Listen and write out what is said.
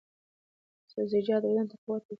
سبزیجات بدن ته قوت ورکوي.